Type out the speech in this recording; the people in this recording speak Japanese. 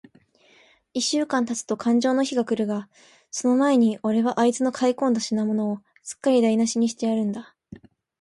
一週間たつとかんじょうの日が来るが、その前に、おれはあいつの買い込んだ品物を、すっかりだいなしにしてやるんだ。